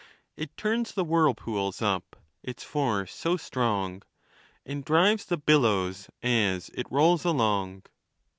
It turns the whirlpools up, its force so strong, And drives the billows as it rolls along.